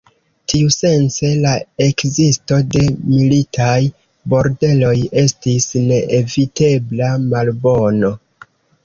Tiusence la ekzisto de militaj bordeloj estis neevitebla malbono.